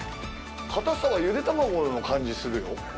硬さはゆで卵の感じするよ。